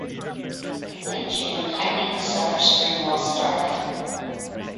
In late June heightening the southern screen wall started.